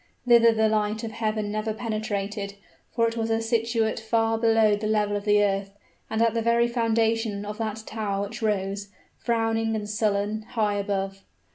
Thither the light of heaven never penetrated; for it was situate far below the level of the earth, and at the very foundation of that tower which rose, frowning and sullen, high above.